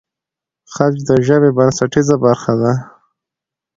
خج د ژبې بنسټیزه برخه ده.